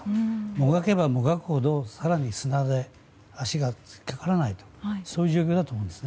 もがけばもがくほど更に砂で足がかからないという状況だと思うんです。